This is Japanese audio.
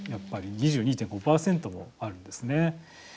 ２２．５％もあるんですね。